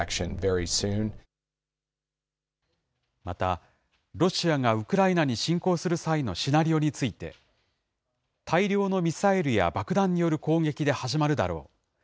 また、ロシアがウクライナに侵攻する際のシナリオについて、大量のミサイルや爆弾による攻撃で始まるだろう。